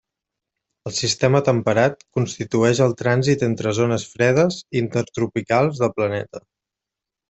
El sistema temperat constitueix el trànsit entre zones fredes i intertropicals del planeta.